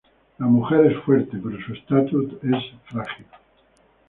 La mujer es fuerte pero su estatus es frágil.